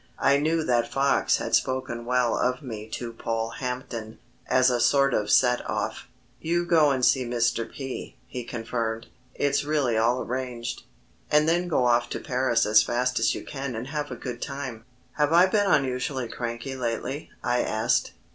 I knew that Fox had spoken well of me to Polehampton as a sort of set off. "You go and see Mr. P.," he confirmed; "it's really all arranged. And then get off to Paris as fast as you can and have a good time." "Have I been unusually cranky lately?" I asked.